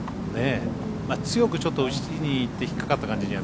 強くちょっと打ちにいって引っかかった感じには